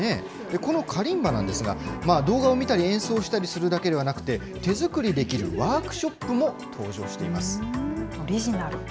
このカリンバなんですが、動画を見たり、演奏したりするだけではなくて、手作りできるオリジナル。